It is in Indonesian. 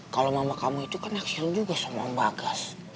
kalau mama kamu itu kan akses juga sama mbak gas